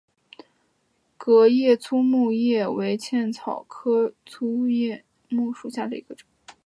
革叶粗叶木为茜草科粗叶木属下的一个种。